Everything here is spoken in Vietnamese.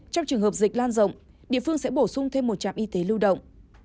trong trường hợp dịch lan rộng địa phương sẽ bổ sung thêm một trạm y tế lưu động